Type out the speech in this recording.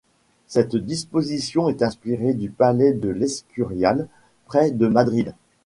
Cette disposition est inspirée du palais de l’Escurial près de Madrid.